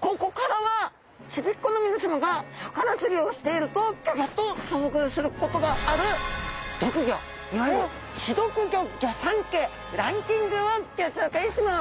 ここからはちびっ子の皆さまが魚釣りをしているとギョギョッと遭遇することがある毒魚いわゆる刺毒魚ギョ三家ランキングをギョ紹介します。